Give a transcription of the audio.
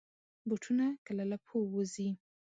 بوټونه کله له پښو وځي.